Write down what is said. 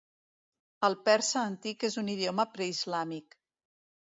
El persa antic és un idioma preislàmic.